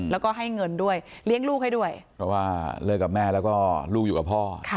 แล้วก็ให้เงินด้วยเลี้ยงลูกให้ด้วยเพราะว่าเลิกกับแม่แล้วก็ลูกอยู่กับพ่อ